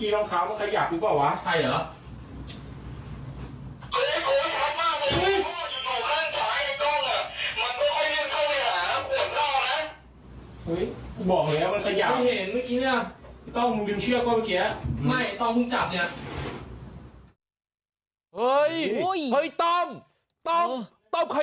เรื่องคิดเลยเหรอไม่เห็นนะ